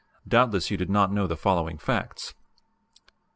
Doubtless you did not know the following facts: "1.